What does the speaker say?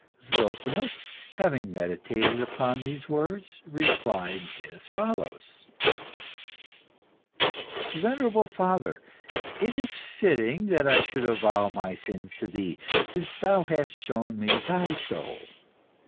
Zozimus, having meditated upon these words, replied as follows "Venerable father, it is fitting that I should avow my sins to thee, since thou hast shown me thy soul.